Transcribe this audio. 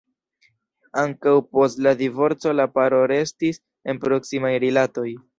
Ankaŭ post la divorco la paro restis en proksimaj rilatoj.